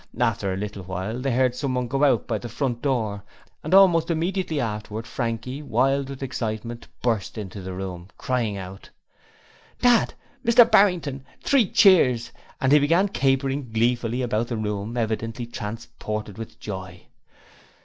After a little while they heard some one go out by the front door, and almost immediately afterward Frankie wild with excitement, burst into the room, crying out: 'Dad and Mr Barrington! Three cheers!' And he began capering gleefully about the room, evidently transported with joy.